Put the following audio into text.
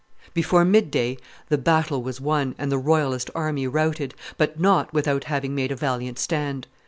Before midday the battle was won and the royalist army routed, but not without having made a valiant stand.